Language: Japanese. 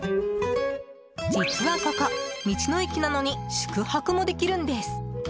実はここ、道の駅なのに宿泊もできるんです。